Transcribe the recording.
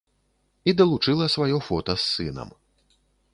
І далучыла сваё фота з сынам.